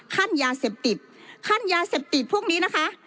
ขั้นยาเสพติดขั้นยาเสพติดพวกนี้นะคะ